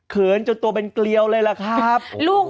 จนตัวเป็นเกลียวเลยล่ะครับ